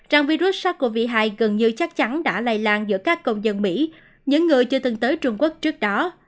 trong virus sars cov hai gần như chắc chắn đã lây lan giữa các công dân mỹ những người chưa từng tới trung quốc trước đó